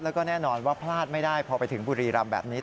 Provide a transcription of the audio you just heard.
แล้วก็แน่นอนว่าพลาดไม่ได้พอไปถึงบุรีรำแบบนี้